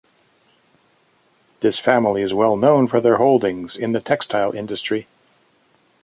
This family is well known for their holdings in the textile industry.